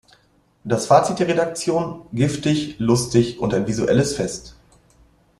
Das Fazit der Redaktion: „"Giftig, lustig und ein visuelles Fest"“.